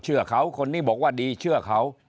เชื่อเขาคนนี้บอกว่าดีเชื่อเขา